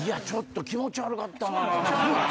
気持ち悪かった？